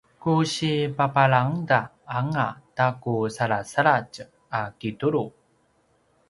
ku si papalangda anga ta ku salasaladj a kitulu